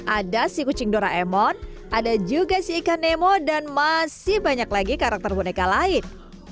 ada si kucing doraemon ada juga si ikan nemo dan masih banyak lagi karakter boneka lain